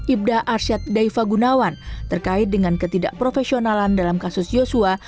ibn arsyad daifah gunawan terkait dengan ketidakprofesionalan dalam kasus joshua